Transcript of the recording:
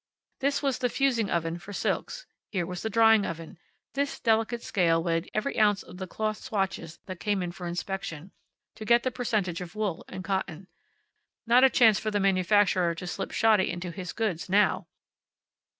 This was the fusing oven for silks. Here was the drying oven. This delicate scale weighed every ounce of the cloth swatches that came in for inspection, to get the percentage of wool and cotton. Not a chance for the manufacturer to slip shoddy into his goods, now.